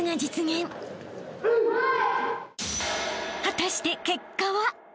［果たして結果は！？］